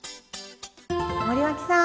森脇さん！